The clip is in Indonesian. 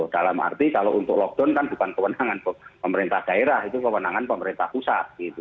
dalam arti kalau untuk lockdown kan bukan kewenangan pemerintah daerah itu kewenangan pemerintah pusat